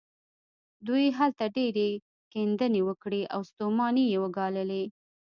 دوی هلته ډېرې کيندنې وکړې او ستومانۍ يې وګاللې.